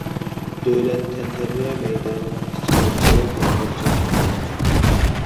دۆلەت تەنتەربىيە مەيدانىنىڭ ئىچىدە، چىراغ نۇرلىرى چاقناپ تۇراتتى.